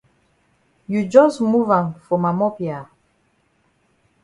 You jus move am for ma mop ya.